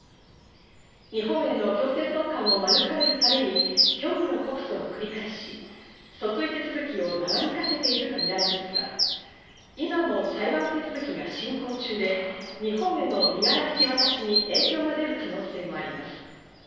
日本への強制送還を免れるために、虚偽の告訴を繰り返し、訴追手続きを長引かせているとみられていますが、今も裁判手続きが進行中で日本への身柄引き渡しに影響が出る可能性もあります。